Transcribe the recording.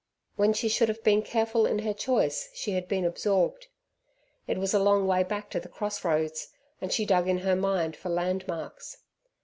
When she should have been careful in her choice, she had been absorbed. It was a long way back to the cross roads, and she dug in her mind for land marks.